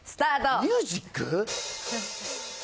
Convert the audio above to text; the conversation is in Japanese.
ミュージック？